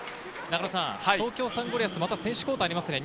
東京サンゴリアス、また選手交代がありますね。